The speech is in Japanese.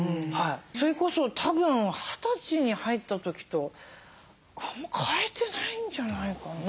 それこそたぶん二十歳に入った時とあんまり変えてないんじゃないかな。